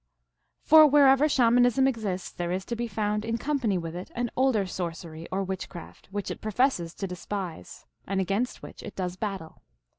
For wherever Shamanism exists, there is to be found, in company with it, an older sorcery, or witch craft, which it professes to despise, and against which it does battle.